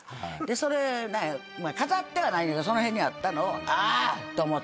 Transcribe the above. それね飾ってはないねんけどその辺にあったのをあ！と思って。